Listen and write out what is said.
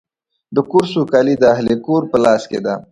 د کور سوکالي د اهلِ کور په لاس کې ده.